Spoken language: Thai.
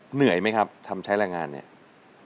เหนื่อยไหมครับทำใช้แรงงานเนี่ย